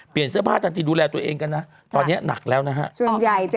เปลี่ยนเสื้อผ้าตัดสินดูแลตัวเองกันนะตอนนี้หนักแล้วนะฮะ